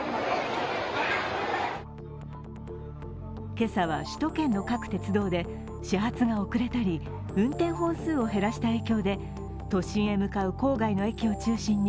今朝は首都圏の各鉄道で始発が遅れたり運転本数を減らした影響で都心へ向かう郊外の駅を中心に